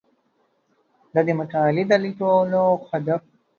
د دې مقالې د لیکلو هدف